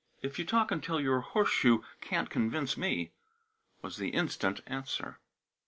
"If you talk until you're horse shoe can't convince me," was the instant answer.